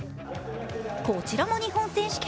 こちらも日本選手権。